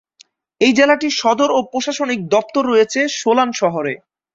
এই জেলাটির সদর ও প্রশাসনিক দপ্তর রয়েছে সোলান শহরে।